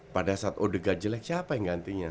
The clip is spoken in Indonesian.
pada saat odegan jelek siapa yang gantinya